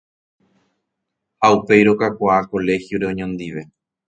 ha upéi rokakuaa colegio-re oñondive.